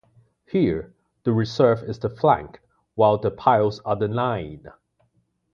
Here, the reserve is the "flank" while the piles are the "line.